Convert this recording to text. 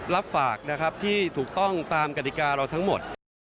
รับฝากนะครับที่ถูกต้องตามกฎิกาเราทั้งหมด